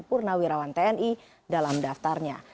purnawirawan tni dalam daftarnya